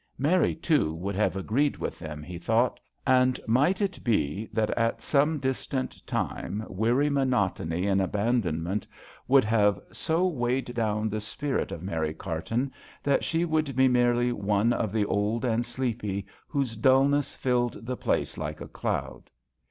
Mary, too, would have agreed with them, he thought ; and might it be that at some distant time weary monotony in aban donment would have so weighed JOHN SHERMAN. 97 down the spirit of Mary Carton, that she would be merely one of the old and sleepy whose dulness filled the place like a cloud